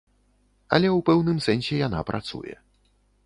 Але ў пэўным сэнсе яна працуе.